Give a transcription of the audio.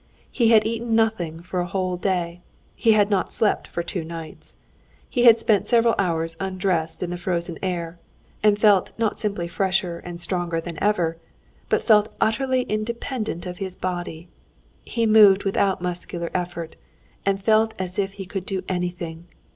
He had eaten nothing for a whole day, he had not slept for two nights, had spent several hours undressed in the frozen air, and felt not simply fresher and stronger than ever, but felt utterly independent of his body; he moved without muscular effort, and felt as if he could do anything.